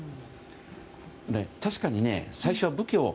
確かに最初は武器を。